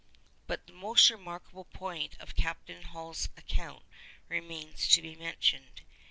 But the most remarkable point of Captain Hall's account remains to be mentioned.